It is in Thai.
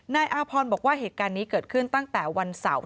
อาพรบอกว่าเหตุการณ์นี้เกิดขึ้นตั้งแต่วันเสาร์